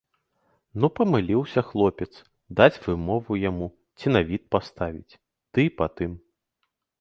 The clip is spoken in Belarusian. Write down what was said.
Ну, памыліўся хлопец, даць вымову яму ці на від паставіць, ды і па тым.